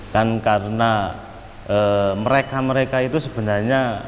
kan karena mereka mereka itu sebenarnya